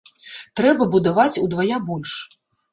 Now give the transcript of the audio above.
Трэба будаваць удвая больш.